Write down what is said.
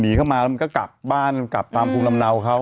เข้ามาแล้วมันก็กลับบ้านกลับตามภูมิลำเนาเขา